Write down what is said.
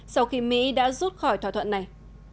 sau khi mỹ đã rút khỏi thỏa thuận này